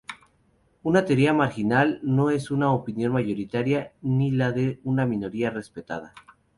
Una teoría marginal no es una opinión mayoritaria ni la de una minoría respetada.